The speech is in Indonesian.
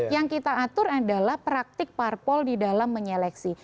yang kita atur adalah praktik parpol di dalam menyeleksi